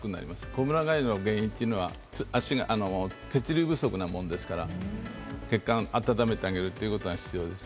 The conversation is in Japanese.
こむら返りの原因というのは、血流不足なもんですから、血管を温めてあげるということが必要です。